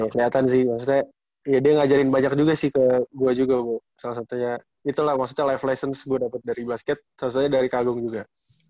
kelihatan sih maksudnya ya dia ngajarin banyak juga sih ke gue juga gue salah satunya itulah maksudnya life lessons gue dapet dari basket salah satunya dari kagung juga